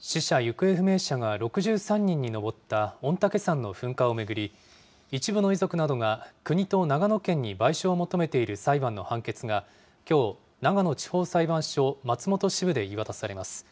死者・行方不明者が６３人に上った御嶽山の噴火を巡り、一部の遺族などが、国と長野県に賠償を求めている裁判の判決が、きょう、長野地方裁判所松本支部で言い渡されます。